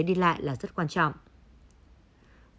đi lại là rất quan trọng